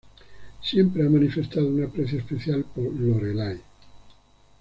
Siempre ha manifestado un aprecio especial por Lorelai.